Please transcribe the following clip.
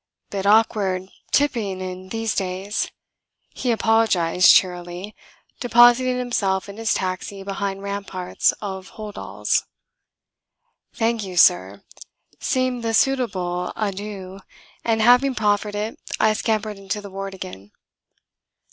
"Bit awkward, tipping, in these days," he apologised cheerily, depositing himself in his taxi behind ramparts of holdalls. "Thank you, Sir," seemed the suitable adieu, and having proffered it I scampered into the ward again.